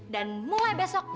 dan mulai besok